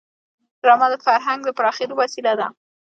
ډرامه د فرهنګ د پراخېدو وسیله ده